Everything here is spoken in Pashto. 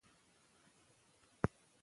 که مینه وي نو بقا وي.